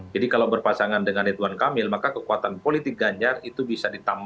jadi kalau berpasangan dengan rituan kamil maka kekuatan politik ganjar yang dianggap ini adalah kekuatan politik